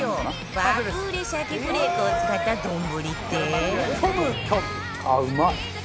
爆売れ鮭フレークを使った丼って？